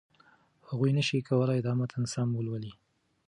هغوی نشي کولای دا متن سم ولولي.